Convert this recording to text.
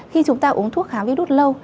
khi chúng ta uống thuốc kháng virus lâu